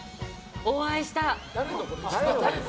お会いした。